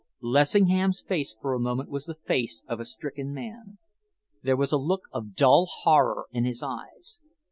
Lessingham's face for a moment was the face of a stricken man. There was a look of dull horror in his eyes.